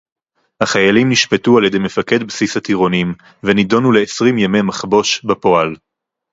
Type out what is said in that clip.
החיילים נשפטו על-ידי מפקד בסיס הטירונים ונידונו לעשרים ימי מחבוש בפועל